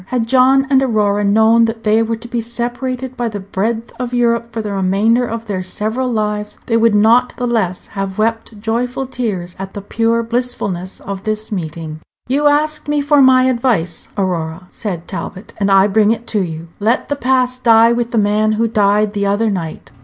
Had John and Aurora known that they were to be separated by the breadth of Europe for the remainder of their several lives, they would not the less have wept joyful tears at the pure blissfulness of this meeting. "You asked me for my advice, Aurora," said Talbot, "and I bring it to you. Let the past die with the man who died the other night.